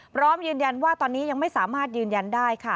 พร้อมยืนยันว่าตอนนี้ยังไม่สามารถยืนยันได้ค่ะ